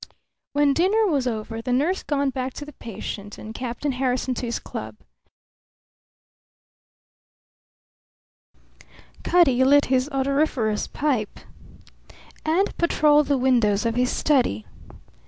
When dinner was over, the nurse gone back to the patient and Captain Harrison to his club, Cutty lit his odoriferous pipe and patrolled the windows of his study.